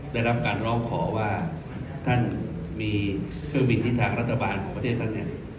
ได้รับการร้องขอว่าท่านมีเครื่องบินที่ทางรัฐบาลของประเทศท่านเนี่ย